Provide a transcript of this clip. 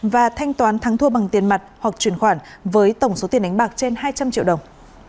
và thanh toán thắng thua bằng tiền mặt hoặc chuyển khoản với tổng số tiền đánh bạc trên hai trăm linh triệu đồng